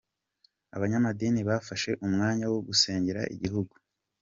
Abanyamadini bafashe umwanya wo gusengera igihugu.